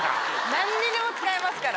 何にでも使えますから。